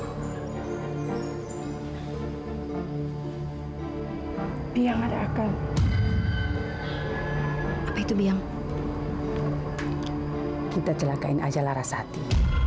hai yang ada akan itu biang kita celaka in aja laras hati